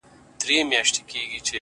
ما اورېدلي دې چي لمر هر گل ته رنگ ورکوي،